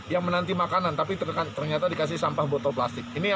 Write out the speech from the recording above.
yang menanti makanan tapi ternyata dikasih sampah botol plastik